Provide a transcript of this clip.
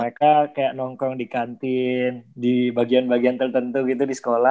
terus gue udah kayak nongkrong di kantin di bagian bagian tertentu gitu di sekolah